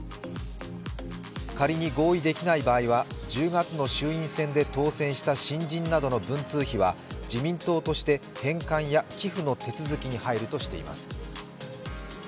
仮に合意できない場合は、１０月の衆院選で当選した新人などの文通費は自民党として返還や寄付の手続きに入るとしています。